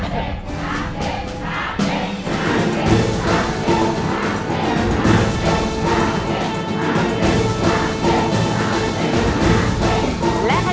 สุดท้าย